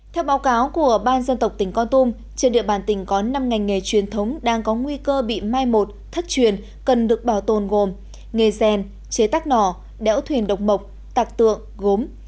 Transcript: theo báo cáo của ban dân tộc tỉnh con tum trên địa bàn tỉnh có năm ngành nghề truyền thống đang có nguy cơ bị mai một thất truyền cần được bảo tồn gồm nghề rèn chế tác nỏ đẽo thuyền độc mộc tạc tượng gốm